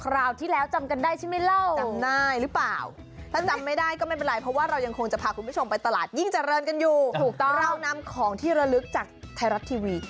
เรานำของที่ละลึกจากไทยรัสทีวี